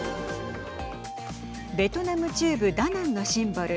ベトナム中部ダナンのシンボル